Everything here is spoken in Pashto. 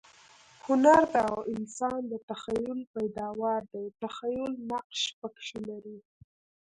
هنر د انسان د تخییل پیداوار دئ. تخییل نقش پکښي لري.